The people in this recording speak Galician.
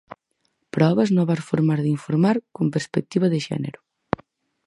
Probas novas formas de informar con perspectiva de xénero.